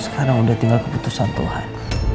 sekarang udah tinggal keputusan tuhan